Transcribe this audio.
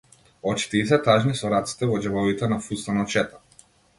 Очите ѝ се тажни, со рацете во џебовите на фустанот шета.